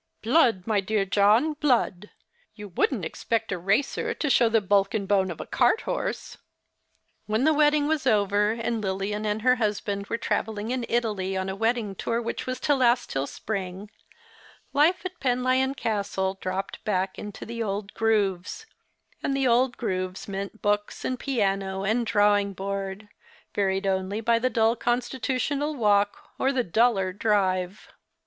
" Blood, my dear John, blood. You wouldn't expect a racer to show the bulk and bone of a carthorse." When the wedding was over, and Lilian and her husband were travelling in Italy on a wedding tour which was to last till the spring, life at Penlyon Castle dropped back into the old grooves ; and the old grooves meant books and piano and drawing board, varied only by the dull constitutional walk or the duller drive.